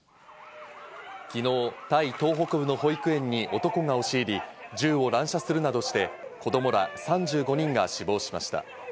昨日、タイ東北部の保育園に男が押し入り、銃を乱射するなどして、子供ら３５人が死亡しました。